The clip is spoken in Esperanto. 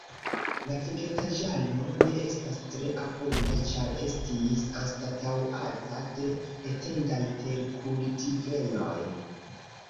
La vegetaĵaro ne estas tre abunda, ĉar estis anstataŭata de etendaj terkultivejoj.